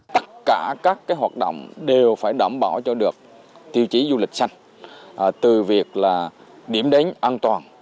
tất cả các hoạt động đều phải đảm bảo cho được tiêu chí du lịch xanh từ việc là điểm đến an toàn